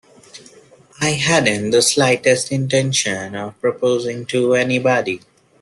I hadn't the slightest intention of proposing to anybody.